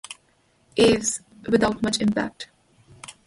Aves, without much impact.